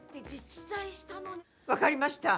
分かりました。